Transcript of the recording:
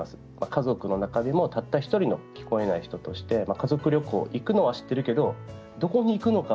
家族の中でもたった１人聞こえない人として家族旅行に行くのは知っているけど、どこに行くのか